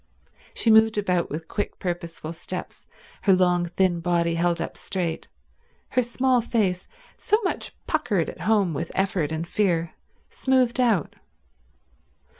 She moved about with quick, purposeful steps, her long thin body held up straight, her small face, so much puckered at home with effort and fear, smoothed out.